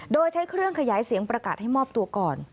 โดยใช้เครื่องขยายเสียงประกาศให้มอบตัวก่อน